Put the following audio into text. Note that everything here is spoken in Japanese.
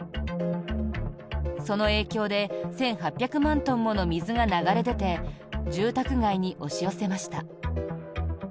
その影響で１８００万トンもの水が流れ出て住宅街に押し寄せました。